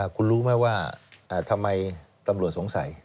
คุณรู้ไหมว่าทำไมตำรวจสงสัย